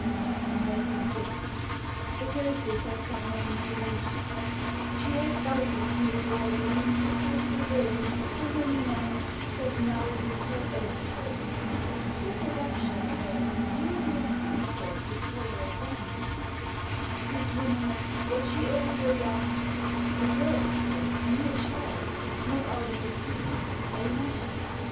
" I might have guessed it The curses have come home to roost She has, doubtless, made life an in supportable burden to so many men that now it is her own turn." " Keep it up, Gerbert, you'll be a cynic yet before you're done." This woman, was she old or young ?"*' A girl, sir, a mere child, not out of her teens — eh, Nash ?